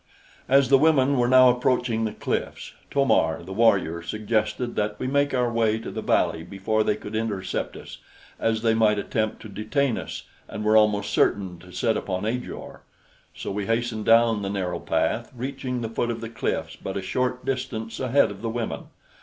As the women were now approaching the cliffs, To mar the warrior suggested that we make our way to the valley before they could intercept us, as they might attempt to detain us and were almost certain to set upon Ajor. So we hastened down the narrow path, reaching the foot of the cliffs but a short distance ahead of the women.